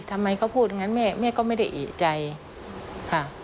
ทำไมเขาพูดอย่างนั้นแม่แม่ก็ไม่ได้เอกใจค่ะ